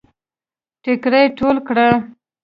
ټيکړی ټول کړه